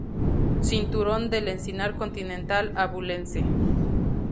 Cinturón del encinar continental abulense.